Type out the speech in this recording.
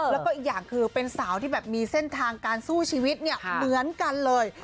แล้วก็อีกอย่างคือเป็นสาวที่แบบมีเส้นทางการสู้ชีวิตเนี่ยเหมือนกันเลย